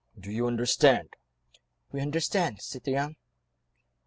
Do you understand?" "We understand, citoyen."